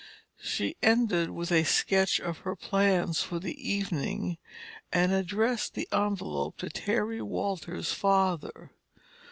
She ended with a sketch of her plans for the evening and addressed the envelope to Terry Walters' father.